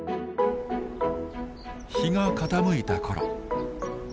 日が傾いた頃。